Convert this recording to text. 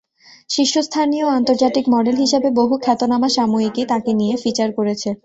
শীর্ষস্থানীয় আন্তর্জাতিক মডেল হিসেবে বহু খ্যাতনামা সাময়িকী তাঁকে নিয়ে ফিচার করেছে।